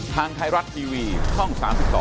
ทางไทยรัฐทีวีช่อง๓๒